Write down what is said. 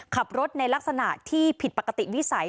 ขับรถในลักษณะที่ผิดปกติวิสัย